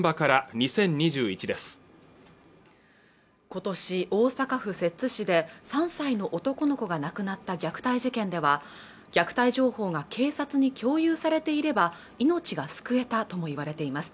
２０２１です今年大阪府摂津市で３歳の男の子が亡くなった虐待事件では虐待情報が警察に共有されていれば命が救えたともいわれています